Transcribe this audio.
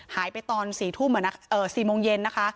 หายไปตอน๔ทุ่ม๔โมงเย็นนะคะ